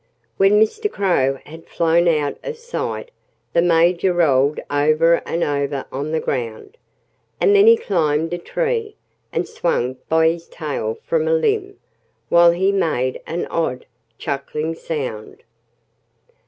When Mr. Crow had flown out of sight the Major rolled over and over on the ground. And then he climbed a tree and swung by his tail from a limb, while he made an odd, chuckling sound.